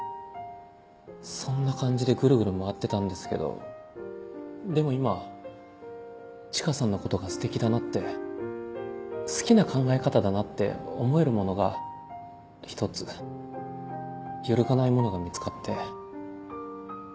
そんな感じでぐるぐる回ってたんですけどでも今チカさんのことがステキだなって好きな考え方だなって思えるものが１つ揺るがないものが見つかって。